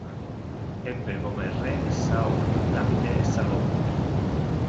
Ebbe come re Saul, Davide e Salomone.